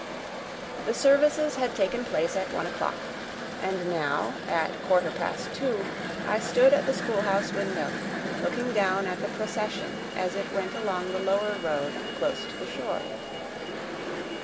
The services had taken place at one o'clock, and now, at quarter past two, I stood at the schoolhouse window, looking down at the procession as it went along the lower road close to the shore.